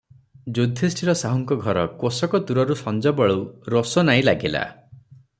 ଯୁଧିଷ୍ଠିର ସାହୁଙ୍କ ଘର କୋଶକ ଦୂରରୁ ସଞବେଳୁ ରୋଷନାଈ ଲାଗିଲା ।